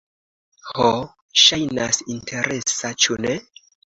Ho, ŝajnas interesa ĉu ne?